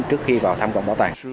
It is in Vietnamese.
trước khi vào thăm quan bảo tàng